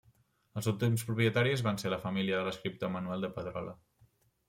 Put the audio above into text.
Els últims propietaris van ser la família de l'escriptor Manuel de Pedrolo.